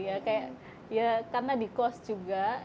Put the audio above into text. ya kayak ya karena dikos juga